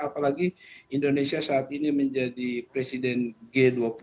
apalagi indonesia saat ini menjadi presiden g dua puluh